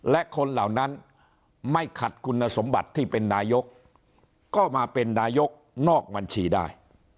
และคนเหล่านั้นไม่ขัดคุณสมบัติที่เป็นนายกก็มาเป็นนายกนอกบัญชีได้